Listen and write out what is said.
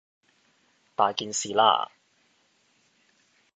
大件事喇！